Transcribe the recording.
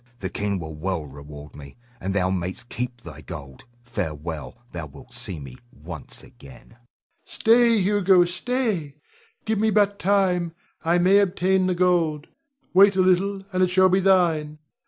The king will well reward me, and thou mayst keep thy gold. Farewell! Thou wilt see me once again. Rod. Stay, Hugo, stay! Give me but time; I may obtain the gold. Wait a little, and it shall be thine.